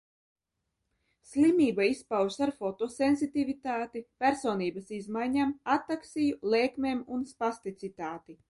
Slimība izpaužas ar fotosensitivitāti, personības izmaiņām, ataksiju, lēkmēm un spasticitāti.